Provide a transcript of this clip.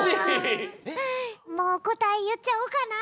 もうこたえいっちゃおうかな。